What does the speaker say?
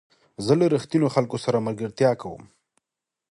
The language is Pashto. زه له رښتینو خلکو سره ملګرتیا کوم.